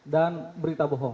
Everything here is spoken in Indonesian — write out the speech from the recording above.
dan berita bohong